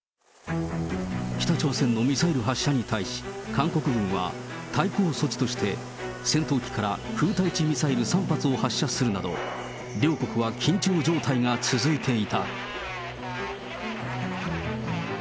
北朝鮮のミサイル発射に対し、韓国軍は対抗措置として、戦闘機から空対地ミサイル３発を発射するなど、両国は緊張状態が続いていた。